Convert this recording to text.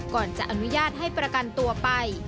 ก่อนจะอนุญาตให้ประกันตัวไป